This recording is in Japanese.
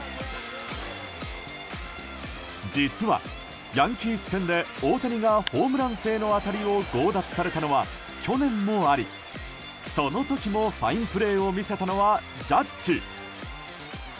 実は、ヤンキース戦で大谷がホームラン性の当たりを強奪されたのは、去年もありその時もファインプレーを見せたのは、ジャッジ。